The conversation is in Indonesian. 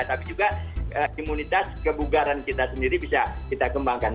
tapi juga imunitas kebugaran kita sendiri bisa kita kembangkan